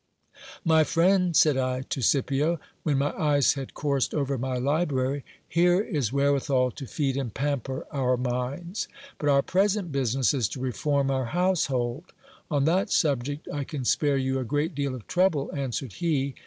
My friend, said I to Scipio, when my eyes had coursed over my library, here i ; wherewithal to feed and pamper our minds ; but our present business is to reform our household. On that subject I can spare you a great deal of trouble, answered he.